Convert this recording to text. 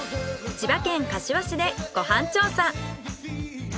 千葉県柏市でご飯調査。